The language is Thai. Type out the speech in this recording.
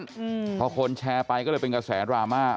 อืมพอคนแชร์ไปก็เลยเป็นกระแสดราม่า